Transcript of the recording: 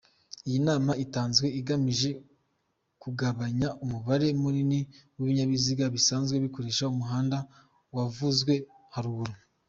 Iyi nama itanzwe igamije kugabanya umubare munini w’ibinyabiziga bisanzwe bikoresha umuhanda wavuzwe haruguru.